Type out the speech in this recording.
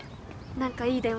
何かいい電話